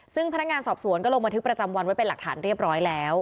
ซึ่งพนักงานสอบสวนก็ลงบันทึกประจำวันไว้เป็นหลักฐานเรียบร้อยแล้ว